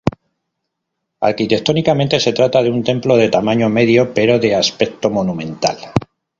Arquitectónicamente se trata de un templo de tamaño medio pero de aspecto monumental.